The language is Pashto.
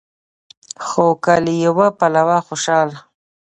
خو که له يوه پلوه خوشال